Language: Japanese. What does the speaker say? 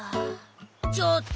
ちょっと！